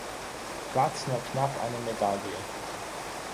Platz nur knapp eine Medaille.